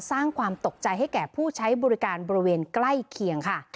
สร้างความตกใจให้แก่ผู้ใช้บริการบริเวณใกล้เคียงค่ะ